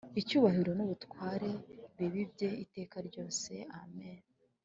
icyubahiro n’ubutware bibe ibye iteka ryose, Amen.